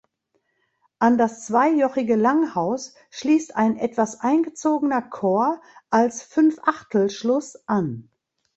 An das zweijochige Langhaus schließt ein etwas eingezogener Chor als Fünfachtelschluss an.